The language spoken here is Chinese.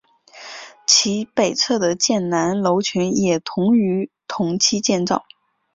其北侧的建南楼群也于同期建造。